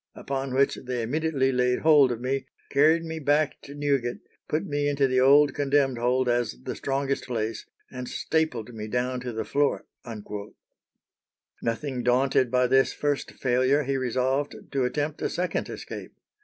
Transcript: upon which they immediately laid hold of me, carried me back to Newgate, put me into the old condemned hold as the strongest place, and stapled me down to the floor." Nothing daunted by this first failure, he resolved to attempt a second escape.